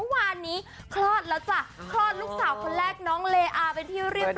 มาวานนี้คลอดลูกสาวคนแรกเนาะเรอะเป็นที่เรียบร้อยแล้ว